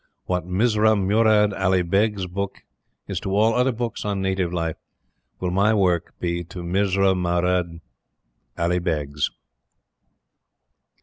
What Mirza Murad Ali Beg's book is to all other books on native life, will my work be to Mirza Murad Ali Beg's!"